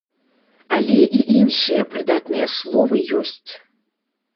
Але і іншыя прыдатныя словы ёсць.